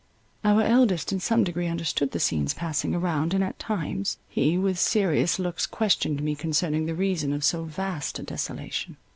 Our eldest in some degree understood the scenes passing around, and at times, he with serious looks questioned me concerning the reason of so vast a desolation.